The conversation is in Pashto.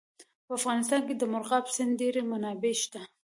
په افغانستان کې د مورغاب سیند ډېرې منابع شته.